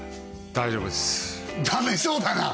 大丈夫ですか？